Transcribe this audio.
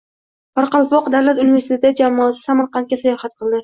Qoraqalpoq davlat universiteti jamoasi Samarqandga sayohat qildi